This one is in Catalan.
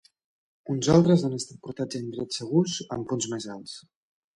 Uns altres han estat portats a indrets segurs en punts més alts.